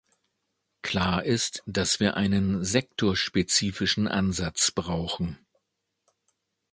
Klar ist, dass wir einen sektorspezifischen Ansatz brauchen.